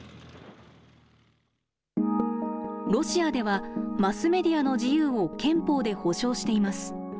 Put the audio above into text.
ロシアではマスメディアの自由を憲法で保障しています。